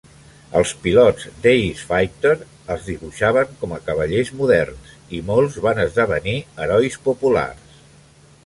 Els pilots d'Ace Fighter els dibuixaven com a cavallers moderns i molts van esdevenir herois populars